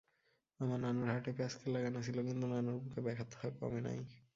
আমার নানুর হার্টে প্যাসকেল লাগানো ছিলো কিন্তু নানুর বুকে ব্যথা কমে নাই।